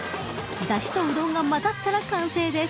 だしとうどんが混ざったら完成です。